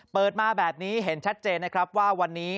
เปิดมาแบบนี้เห็นชัดเจนนะครับว่าวันนี้